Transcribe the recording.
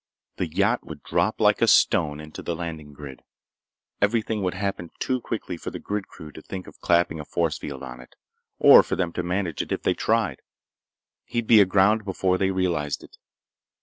The yacht would drop like a stone into the landing grid. Everything would happen too quickly for the grid crew to think of clapping a force field on it, or for them to manage it if they tried. He'd be aground before they realized it.